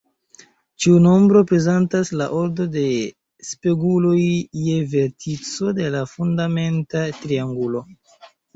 Ĉiu nombro prezentas la ordo de speguloj je vertico de la fundamenta triangulo.